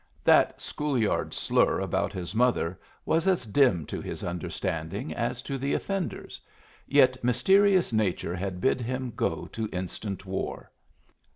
That school yard slur about his mother was as dim to his understanding as to the offender's, yet mysterious nature had bid him go to instant war!